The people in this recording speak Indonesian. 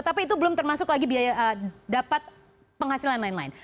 tapi itu belum termasuk lagi biaya dapat penghasilan lain lain